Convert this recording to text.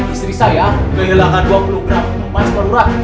istri saya kehilangan dua puluh gram emas pak luar